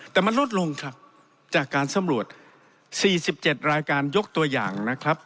แต่มันลดลงครับจากการสำรวจ๔๗รายการยกตัวอย่างนะครับ